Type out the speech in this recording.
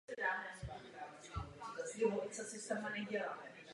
Většina královských hrobek byla zdobena náboženskými texty a malbami.